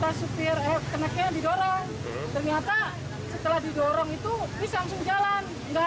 ternyata setelah didorong itu bisa langsung jalan